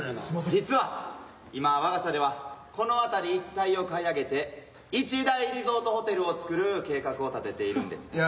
実は今我が社ではこの辺り一帯を買い上げて一大リゾートホテルを作る計画を立てているんです。